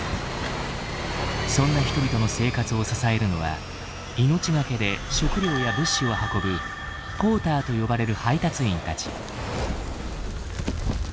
そんな人々の生活を支えるのは命懸けで食料や物資を運ぶ「ポーター」と呼ばれる配達員たち。